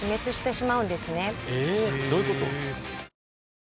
えっ⁉どういうこと？